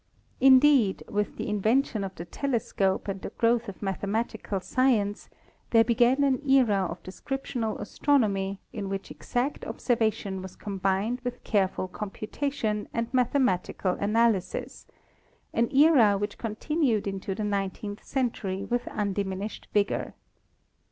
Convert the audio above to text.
Indeed, with the invention of the telescope and the growth of mathematical science, there began an era of de scriptional astronomy in which exact observation was com bined with careful computation and mathematical analysis,, an era which continued into the nineteenth century with undiminished vigor.